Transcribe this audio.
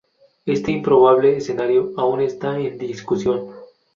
Este improbable escenario aún está en discusión.